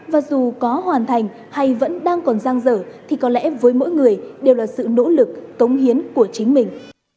và dù có hoàn thành hay vẫn đang còn giang dở thì có lẽ với mỗi người đều là sự nỗ lực cống hiến của chính mình